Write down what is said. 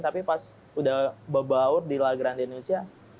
tapi pas udah bebaur di la grande indonesia